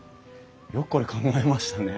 よくこれ考えましたね。